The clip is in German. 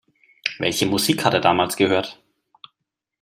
Welche Musik hat er damals gehört?